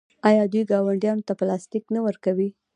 آیا دوی ګاونډیانو ته پلاستیک نه ورکوي؟